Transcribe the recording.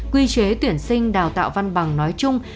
quy chế tuyển sinh đào tạo văn bằng nói chung